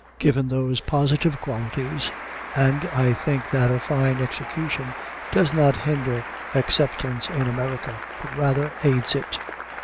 Given those positive qualities, and I think that a fine execution does not hinder acceptance in America, but rather aids it.